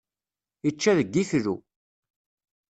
Ičča deg iflu.